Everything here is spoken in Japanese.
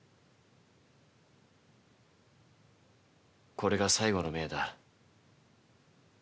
これが最後の命だ。